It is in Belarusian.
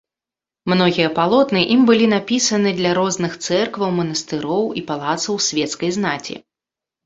Многія палотны ім былі напісаны для розных цэркваў, манастыроў і палацаў свецкай знаці.